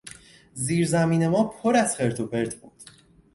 زیرزمین ما پر از خرت و پرت بود.